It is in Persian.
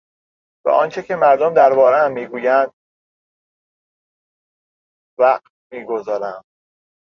به آنچه که مردم دربارهام میگویند وقع می گذارم.